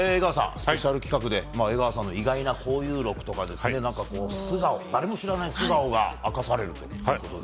スペシャル企画で江川さんの意外な交友録とか誰も知らない素顔が明かされるということで。